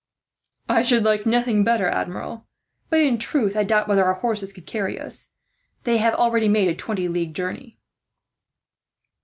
"I should like nothing better, Admiral; but in truth, I doubt whether our horses could carry us. They have already made a twenty league journey."